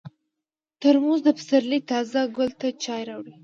ترموز د پسرلي تازه ګل ته چای راوړي.